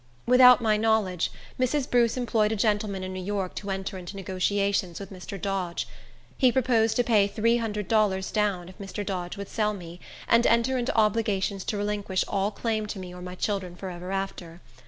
Without my knowledge, Mrs. Bruce employed a gentleman in New York to enter into negotiations with Mr. Dodge. He proposed to pay three hundred dollars down, if Mr. Dodge would sell me, and enter into obligations to relinquish all claim to me or my children forever after.